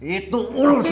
itu urusan saya